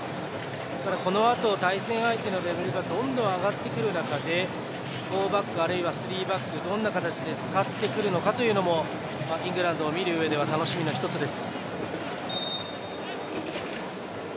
ただ、このあと対戦相手のレベルがどんどん上がってくる中で４バックあるいは３バックどんな形で使ってくるのかというところもイングランドを見るうえでは楽しみの１つです。